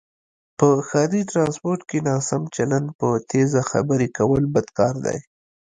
په ښاری ټرانسپورټ کې ناسم چلند، په تیزه خبرې کول بد کاردی